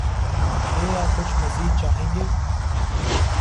گے یا کچھ مزید چاہیں گے؟